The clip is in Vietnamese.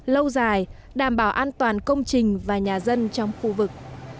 lâu dài đảm bảo an toàn công trình và nhà dân trong khu vực